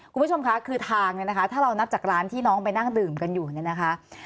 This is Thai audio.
คุณผู้ชมคะคือทางเนี่ยนะคะถ้าเรานับจากร้านที่น้องไปนั่งดื่มกันอยู่เนี่ยนะคะ